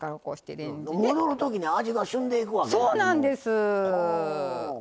戻るときに味がしゅんでいくわけですね。